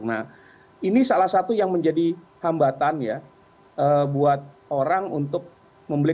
nah ini salah satu yang menjadi hambatan ya buat orang untuk membeli